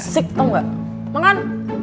sik tau gak makan